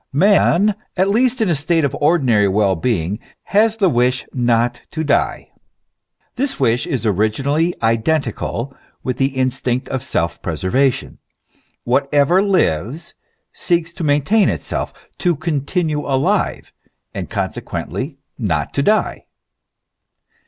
Man, at least in a state of ordinary well being, has the wish not to die. This wish is originally identical with the instinct of self preservation. Whatever lives seeks to maintain itself, to continue alive, and consequently not to die.